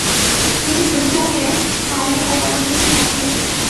তিনি সুলিভানের ফার্মে তার কর্মজীবনের সমাপ্তি ঘটে।